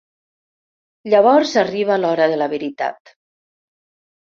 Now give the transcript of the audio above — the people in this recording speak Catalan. Llavors arriba l‘hora de la veritat.